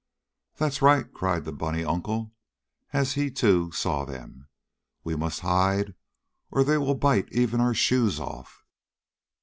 "That's right!" cried the bunny uncle, as he, too, saw them. "We must hide or they will bite even our shoes off!"